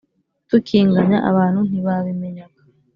tukinganya abantu ntiba bimenyaga